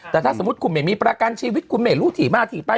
แต่ถ้าสมมุติคุณไม่มีประกันชีวิตคุณไม่รู้ที่มาที่ไป